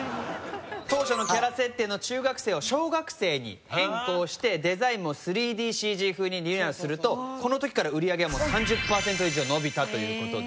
当初のキャラ設定の中学生を小学生に変更してデザインも３ＤＣＧ風にリニューアルするとこの時から売り上げが３０パーセント以上伸びたという事で。